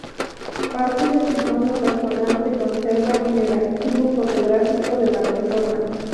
Parte de su fondo personal se conserva en el Archivo Fotográfico de Barcelona.